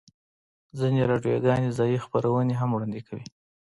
ځینې راډیوګانې ځایی خپرونې هم وړاندې کوي